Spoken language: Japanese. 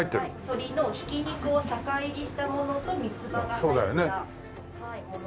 鶏のひき肉を酒煎りしたものと三つ葉が入ったもので。